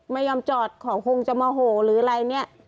ไม่ยอมจอดเขาคงจะโมโหหรืออะไรเนี่ย